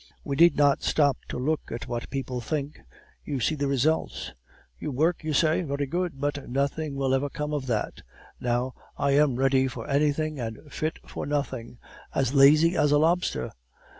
We need not stop to look at what people think, but see the results. You work, you say? Very good, but nothing will ever come of that. Now, I am ready for anything and fit for nothing. As lazy as a lobster?